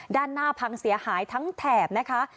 ด้านหน้าพังเสียหายทั้งแถบนะคะ